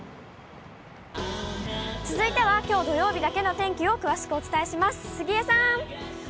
続いては、きょう土曜日だけの天気を詳しくお伝えします。